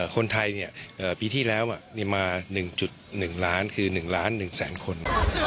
คนไทยปีที่แล้วมา๑๑ล้านคือ๑ล้าน๑แสนคน